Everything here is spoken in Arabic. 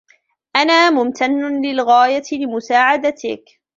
أنا ممتن للغاية لمساعدتك.